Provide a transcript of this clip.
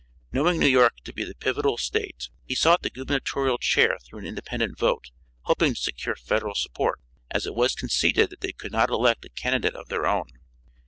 Knowing New York to be the pivotal State, he sought the gubernatorial chair through an independent vote, hoping to secure Federal support, as it was conceded that they could not elect a candidate of their own.